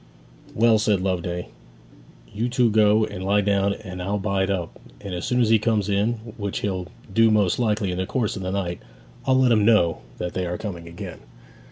'Well,' said Loveday, 'you two go and lie down now and I'll bide up; and as soon as he comes in, which he'll do most likely in the course of the night, I'll let him know that they are coming again.'